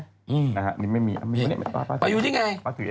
อเจมส์ตรงนี้ป๊าถือเองมาอยู่นี่ไง